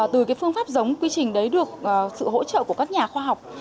từ cái phương pháp giống quy trình đấy được sự hỗ trợ của các nhà khoa học